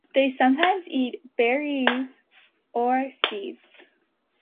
They sometimes eat berries or seeds.